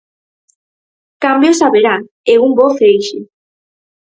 Cambios haberá, e un bo feixe.